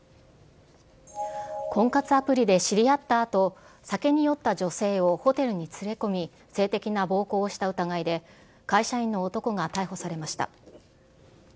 婚活アプリで知り合ったあと、酒に酔った女性をホテルに連れ込み、性的な暴行をした疑いで、会社員の男が逮捕されました。